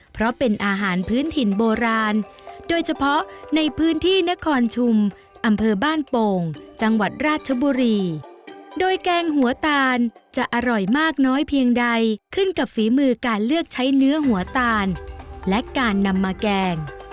เพราะเป็นอาหารพื้นถิ่นโบราณโดยเฉพาะในพื้นที่นครชุมอำเภอบ้านโป่งจังหวัดราชบุรีโดยแกงหัวตาลจะอร่อยมากน้อยเพียงใดขึ้นกับฝีมือการเลือกใช้เนื้อหัวตาลและการนำมาแกง